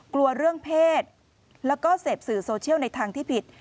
กลัวเรื่องเพศแล้วก็เสพสื่อโซเชียลในทางที่ผิด